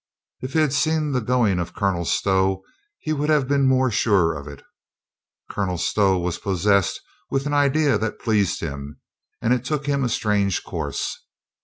If he had seen the going of Colonel Stow he would 177 178 COLONEL GREATHEART have been more sure of it. Colonel Stow was pos sessed with an idea that pleased him, and it took him a strange course.